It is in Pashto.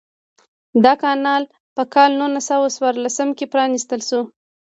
دا کانال په کال نولس سوه څوارلسم کې پرانیستل شو.